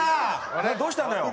どうしたんだよ？